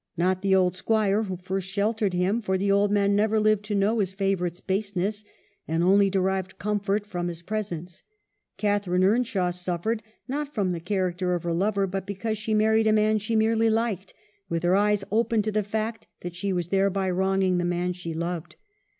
Not the old Squire who first shel tered him ; for the old man never lived to know his favorite's baseness, and only derived comfort from his presence. Catharine Earnshaw suf fered, not from the character of her lover, but because she married a man she merely liked, with her eyes open to the fact that she was thereby wronging the man she loved.